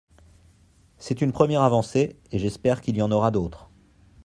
C’est une première avancée, et j’espère qu’il y en aura d’autres.